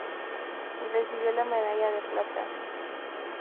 Recibió la medalla de plata.